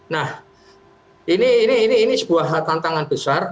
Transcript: nah ini sebuah tantangan besar